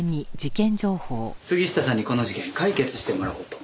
杉下さんにこの事件解決してもらおうと。